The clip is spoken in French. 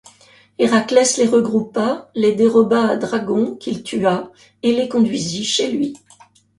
Héraclès les regroupa, les déroba à Dragon, qu'il tua, et les conduisit chez lui.